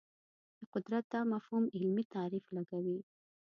د قدرت دا مفهوم علمي تعریف لګوي